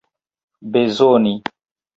bezoni